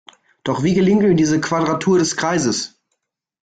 Doch wie gelingt ihm diese Quadratur des Kreises?